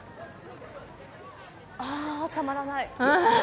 あ、たまらない。